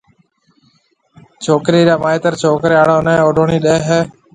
ڇوڪرِي را مائيتر ڇوڪرَي آݪو نيَ اوڊوڻِي ڏَي ھيََََ